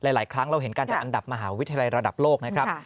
หลายครั้งเราเห็นการจัดอันดับมหาวิทยาลัยระดับโลกนะครับ